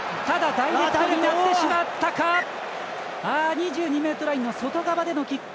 ２２ｍラインの外側でのキック。